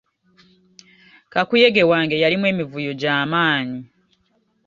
Kakuyege wange yalimu emivuyo gy'amaanyi.